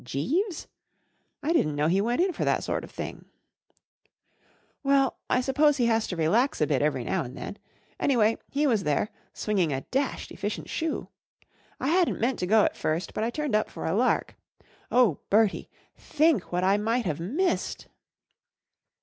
4 ' Jeeves ? I didn't know he went in for that sort of thing / 1 ' Well, 1 suppose he has to relax a bit every now and then. Anyway, he was there, swinging a dashed efficient shoe. I hadn't meant to go at first, but I turned up for a lark. Oh, Bertie, think what I might have missed